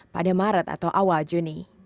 pada maret atau awal juni